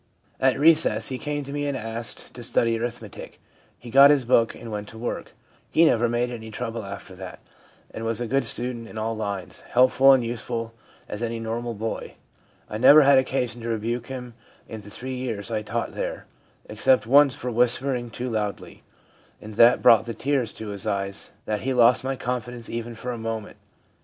At recess he came to me and asked to study arithmetic. He got his book and went to work. He never made any trouble after that, and was a good student in all lines, helpful and useful as any normal boy. I never had occasion to rebuke him in the three years I taught there, except once for whispering too loudly, and that brought the tears to his eyes that he had lost my confidence even for a moment